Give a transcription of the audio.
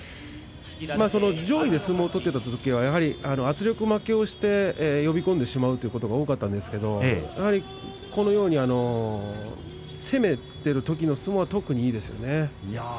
上位で相撲を取っていたときはやはり圧力負けをして呼び込んでしまうということが多かったんですけれどもこのように攻めているときの相撲は特にいいですね。